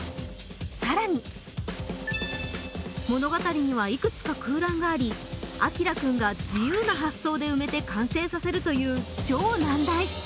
さらに物語にはいくつか空欄がありアキラくんが自由な発想で埋めて完成させるという超難題